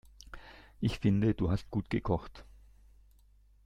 Ich finde du hast gut gekocht.